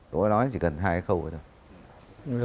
tôi nói chỉ cần hai cái khâu thôi thôi